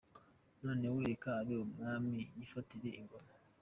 None we reka abe umwami yifatire ingoma